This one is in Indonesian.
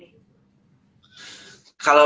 kalau aku mungkin aku gak tahu